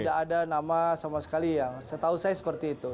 tidak ada nama sama sekali yang setahu saya seperti itu